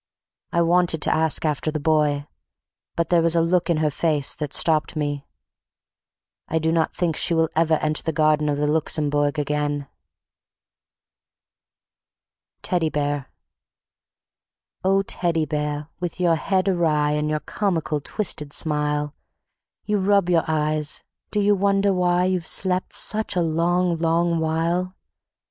I wanted to ask after the boy, but there was a look in her face that stopped me. I do not think she will ever enter the garden of the Luxembourg again. Teddy Bear O Teddy Bear! with your head awry And your comical twisted smile, You rub your eyes do you wonder why You've slept such a long, long while?